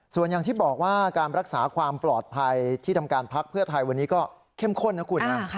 ส่วนอย่างที่บอกว่าการรักษาความปลอดภัยที่ทำการพักเพื่อไทยวันนี้ก็เข้มข้นนะคุณนะ